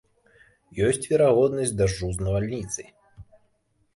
Ёсць верагоднасць дажджу з навальніцай.